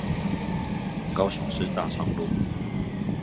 高雄市大昌路